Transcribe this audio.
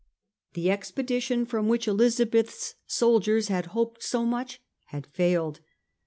^ The expedition from which Elizabeth's soldiers had hoped so much had failed.